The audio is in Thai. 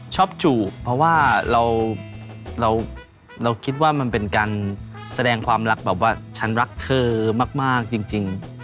จูบเพราะว่าเราคิดว่ามันเป็นการแสดงความรักแบบว่าฉันรักเธอมากจริง